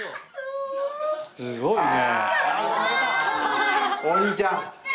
すごいね。